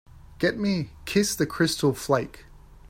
Get me Kiss the Crystal Flake